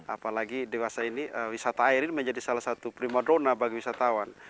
apalagi diwasa ini wisata air ini menjadi salah satu primadrona bagi wisatawan